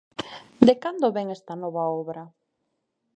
De cando vén esta nova obra?